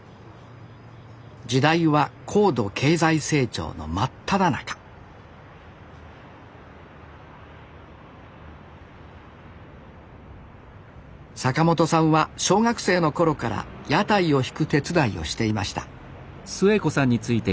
時代は高度経済成長の真っただ中坂本さんは小学生の頃から屋台を引く手伝いをしていました